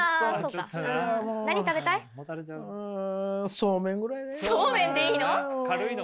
そうめんでいいの？